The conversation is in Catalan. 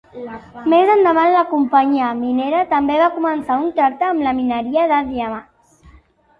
Més endavant, la companyia minera també va començar un tracte amb la mineria de diamants.